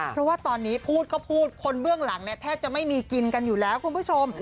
เพราะว่าตอนนี้พูดก็พูดคนเบื้องหลังเนี่ยแทบจะไม่มีกินกันอยู่แล้วคุณผู้ชม